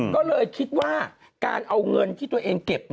ก็เลยคิดว่าการเอาเงินที่ตัวเองเก็บ